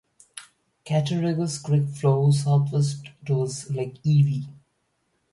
Cattaraugus Creek flows southwest towards Lake Erie.